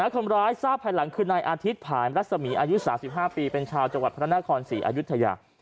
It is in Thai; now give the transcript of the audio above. คนร้ายทราบภายหลังคือนายอาทิตย์ผ่านรัศมีอายุ๓๕ปีเป็นชาวจังหวัดพระนครศรีอายุทยา